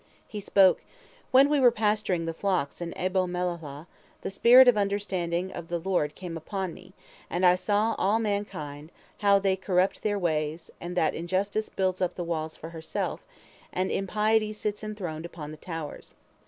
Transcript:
He spoke: "When we were pasturing the flocks in Abel Meholah, the spirit of understanding of the Lord came upon me, and I saw all mankind, how they corrupt their ways, and that injustice builds up walls for herself, and impiety sits enthroned upon the towers.